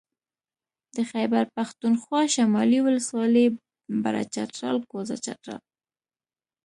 د خېبر پښتونخوا شمالي ولسوالۍ بره چترال کوزه چترال